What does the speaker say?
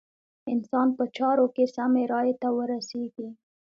انسان په چارو کې سمې رايې ته ورسېږي.